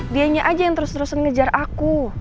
dianya aja yang terus terusan ngejar aku